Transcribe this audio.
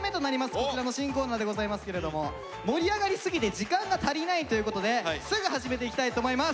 こちらの新コーナーでございますけれども盛り上がりすぎて時間が足りないということですぐ始めていきたいと思います。